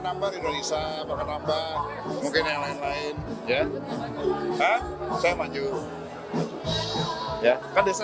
nambah indonesia mungkin yang lain lain ya saya maju ya